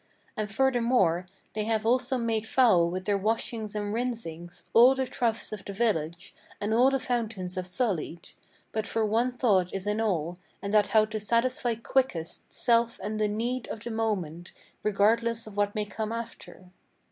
And furthermore they have also made foul with their washings and rinsings All the troughs of the village, and all the fountains have sullied; For but one thought is in all, and that how to satisfy quickest Self and the need of the moment, regardless of what may come after."